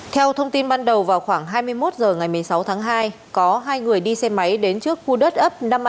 theo thông tin ban đầu vào khoảng hai mươi một h ngày một mươi sáu tháng hai có hai người đi xe máy đến trước khu đất ấp năm a